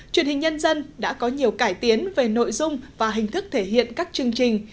truyền hình nhân dân đã có nhiều cải tiến về nội dung và hình thức thể hiện các chương trình